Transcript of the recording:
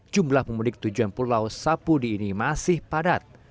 jumlah pemudik tujuan pulau sapudi ini masih padat